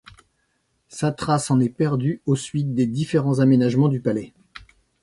Sa trace en est perdue au suite aux différents aménagements du palais.